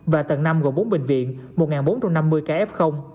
và tầng năm gồm bốn bệnh viện một bốn trăm năm mươi ca f